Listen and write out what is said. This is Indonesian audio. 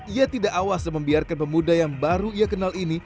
ia tidak awas dan membiarkan pemuda yang baru ia kenal ini